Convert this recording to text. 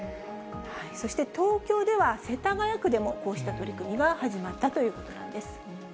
そして東京では、世田谷区でもこうした取り組みが始まったということなんです。